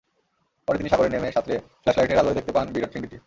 পরে তিনি সাগরে নেমে সাঁতরে ফ্লাশলাইটের আলোয় দেখতে পান বিরাট চিংড়িটি।